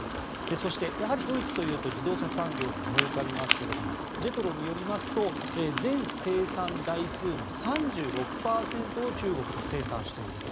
そして、やはりドイツというと自動車産業が思い浮かびますがジェトロによりますと全生産台数の３６％を中国で生産していると。